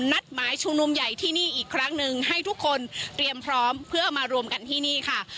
นัดหมายชุมนุมใหญ่ที่นี่อีกครั้งหนึ่งให้ทุกคนเตรียมพร้อมเพื่อมารวมกันที่นี่ค่ะ